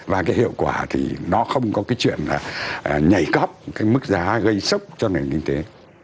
và cái hiệu quả thì nó không có cái chuyện là nhảy cóc cái mức giá gây sốc cho nền kinh tế